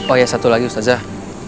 oh ya satu lagi ustazah